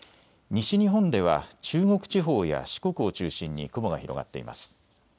西日本では中国地方や四国を中心に雲が広がっています。